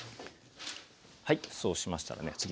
はいそうしましたらね